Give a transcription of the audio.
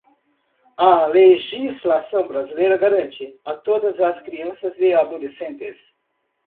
A legislação brasileira garante, a todas as crianças e adolescentes